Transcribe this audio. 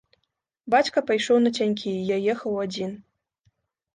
Бацька пайшоў нацянькі, і я ехаў адзін.